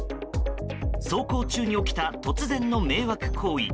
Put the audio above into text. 走行中に起きた突然の迷惑行為。